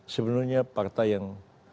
sebenarnya partai yang